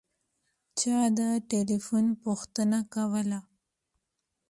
چا د تیلیفون پوښتنه کوله.